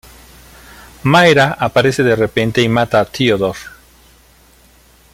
Myra aparece de repente y mata a Theodore.